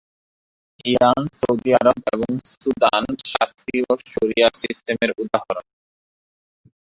Iran, Saudi Arab, এবং Sudan শাস্ত্রীয় শরিয়া সিস্টেমের উদাহরণ।